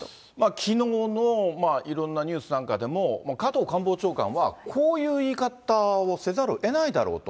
きのうのいろんなニュースなんかでも、加藤官房長官は、こういう言い方をせざるをえないだろうと。